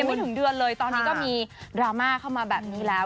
ไม่ถึงเดือนเลยตอนนี้ก็มีดราม่าเข้ามาแบบนี้แล้ว